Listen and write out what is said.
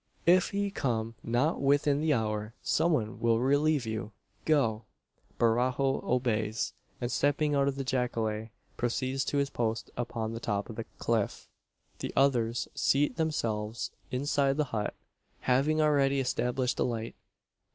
"If he come not within the hour, some one will relieve you. Go!" Barajo obeys, and, stepping out of the jacale, proceeds to his post upon the top of the cliff. The others seat themselves inside the hut having already established a light.